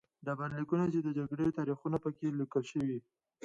ډبرلیکونه چې د جګړو تاریخونه په کې لیکل شوي